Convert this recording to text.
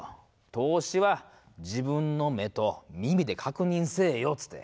投資は自分の目と耳で確認せえよつって。